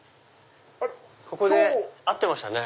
ここで合ってましたね。